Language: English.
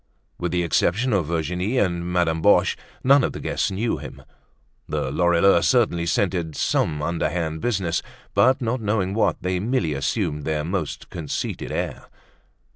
With the exception of Virginie and Madame Boche none of the guests knew him. The Lorilleuxs certainly scented some underhand business, but not knowing what, they merely assumed their most conceited air.